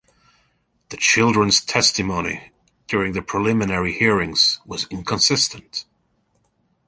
The children's testimony during the preliminary hearings was inconsistent.